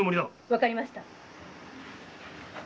わかりました。